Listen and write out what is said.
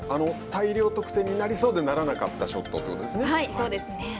大量得点になりそうでならなかったショットということですね。